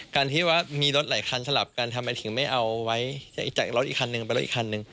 การที่ว่ามีรถหลายคันสลับกันทำไมถึงไม่เอาไว้จากรถอีกคันนึงเป็นรถอีกคันนึง